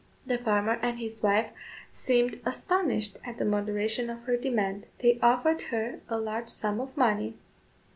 The farmer and his wife seemed astonished at the moderation of her demand. They offered her a large sum of money.